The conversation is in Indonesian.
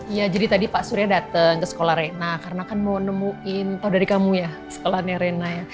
iya jadi tadi pak surya datang ke sekolah rena karena kan mau nemuin tau dari kamu ya sekolahnya rena ya